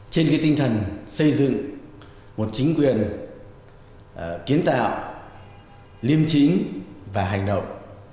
trên tinh thần xây dựng một chính quyền kiến tạo liêm chính và hành động